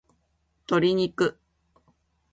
鶏肉